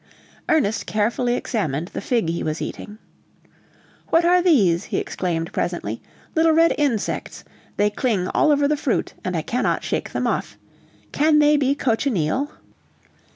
Ernest carefully examined the fig he was eating. "What are these," he exclaimed presently; "little red insects! they cling all over the fruit, and I cannot shake them off. Can they be cochineal?"